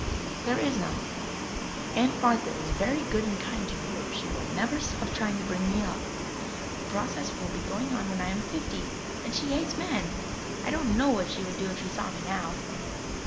"There is none. Aunt Martha is very good and kind to me, but she will never stop trying to bring me up. The process will be going on when I am fifty. And she hates men! I don't know what she would do if she saw me now."